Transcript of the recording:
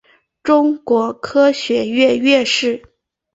中国科学院院士。